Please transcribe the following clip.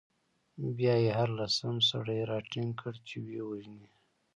بیا يې هر لسم سړی راټینګ کړ، چې ویې وژني.